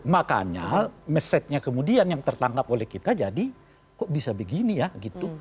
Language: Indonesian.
makanya mesejnya kemudian yang tertangkap oleh kita jadi kok bisa begini ya gitu